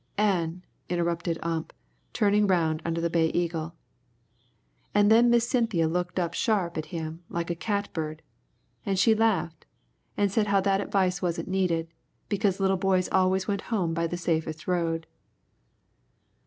"An'," interrupted Ump, turning round under the Bay Eagle, "an' then Miss Cynthia looked up sharp at him like a catbird, an' she laughed, an' she said how that advice wasn't needed, because little boys always went home by the safest road."